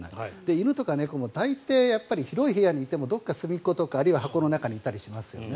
犬とか猫も大抵、広い部屋にいてもどこか隅っことかあるいは箱の中にいたりしますよね。